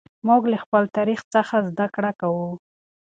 موږ له خپل تاریخ څخه زده کړه کوو.